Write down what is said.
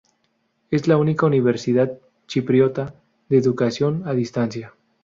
Es la única universidad chipriota de educación a distancia.